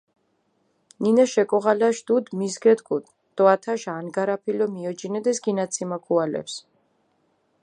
ნინაშ ეკოღალაშ დუდი მის გედგუდჷ დო ათაშ ანგარაფილო მიოჯინედეს გინაციმა ქუალეფს.